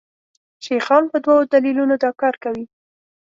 شیخان په دوو دلیلونو دا کار کوي.